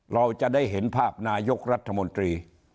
เราจะได้เห็นภาพนายกรัฐมนตรี